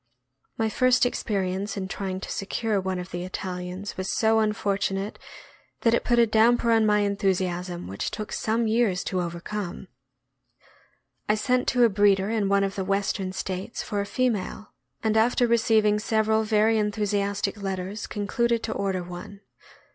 My first experience in trying to secure one of the Italians was so unfortunate that it put a damper on my enthusiasm which took some years to overcome. I sent to a breeder in one of the Western States for a female, and after receiving several very enthusiastic letters concluded to order one.